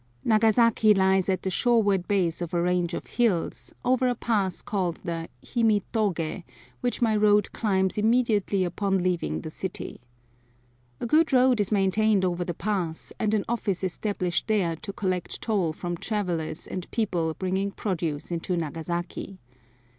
Nagasaki lies at the shoreward base of a range of hills, over a pass called the Himi toge, which my road climbs immediately upon leaving the city. A good road is maintained over the pass, and an office established there to collect toll from travellers and people bringing produce into Nagasaki.